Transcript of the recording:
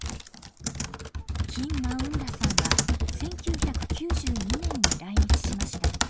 キン・マウン・ラさんは１９９２年に来日しました。